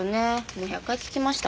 もう１００回聞きました。